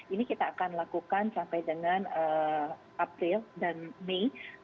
ini kita akan lakukan sampai dengan april dan mei